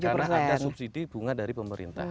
karena ada subsidi bunga dari pemerintah